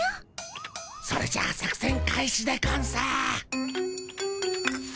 それじゃあ作せん開始でゴンス。